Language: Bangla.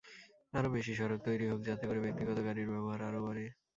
আরও বেশি সড়ক তৈরি হোক, যাতে করে ব্যক্তিগত গাড়ির ব্যবহার আরও বাড়ে।